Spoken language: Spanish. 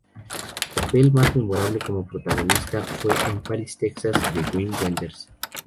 Su papel más memorable como protagonista fue en "Paris, Texas" de Wim Wenders.